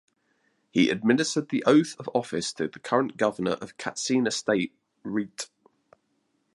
He administered the oath of office to the current governor of Katsina State Rt.